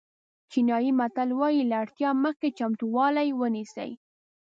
چینایي متل وایي له اړتیا مخکې چمتووالی ونیسئ.